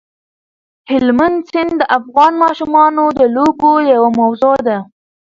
هلمند سیند د افغان ماشومانو د لوبو یوه موضوع ده.